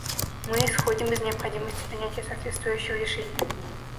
Мы исходим из необходимости принятия соответствующего решения.